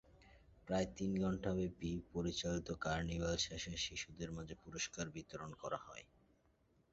প্রায় তিন ঘণ্টাব্যাপী পরিচালিত কার্নিভাল শেষে শিশুদের মাঝে পুরস্কার বিতরণ করা হয়।